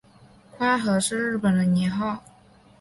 宽和是日本的年号。